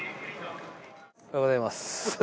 おはようございます。